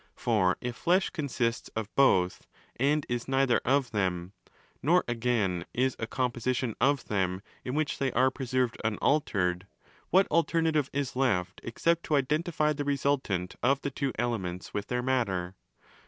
For if flesh consists of both and is neither of them, nor again is a 'com position' of them in which they are preserved unaltered, what alternative is left except to identify the resultant of the two 'elements ' with their matter?